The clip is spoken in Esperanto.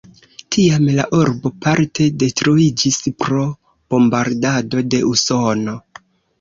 Tiam la urbo parte detruiĝis pro bombardado de Usono.